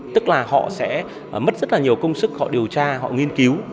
tức là họ sẽ mất rất là nhiều công sức họ điều tra họ nghiên cứu